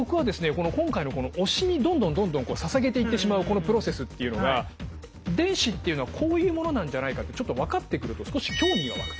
この今回の推しにどんどんどんどんささげていってしまうこのプロセスっていうのが電子っていうのはこういうものなんじゃないかってちょっと分かってくると少し興味が湧く。